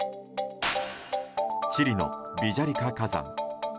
チリのビジャリカ火山。